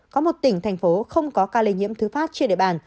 có một tỉnh thành phố không có ca lây nhiễm thứ phát trên địa bàn